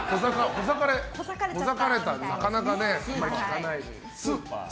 ほざかれたって、なかなか聞かないですけど。